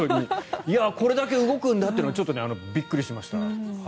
これだけ動くんだってちょっとびっくりしました。